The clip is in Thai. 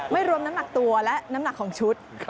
รวมน้ำหนักตัวและน้ำหนักของชุด